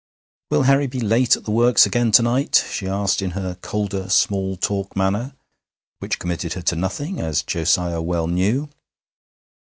'Will Harry be late at the works again to night?' she asked in her colder, small talk manner, which committed her to nothing, as Josiah well knew.